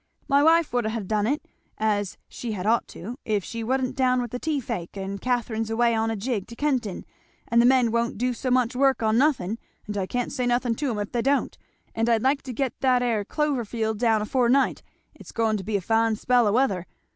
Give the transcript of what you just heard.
my wife would ha' done it, as she had ought to, if she wa'n't down with the teeth ache, and Catherine's away on a jig to Kenton, and the men won't do so much work on nothin', and I can't say nothin' to 'em if they don't; and I'd like to get that 'ere clover field down afore night it's goin' to be a fine spell o' weather.